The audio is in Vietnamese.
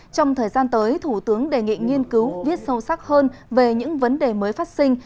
trong thời gian tới thủ tướng đề nghị nghiên cứu viết sâu sắc hơn về những vấn đề mới phát sinh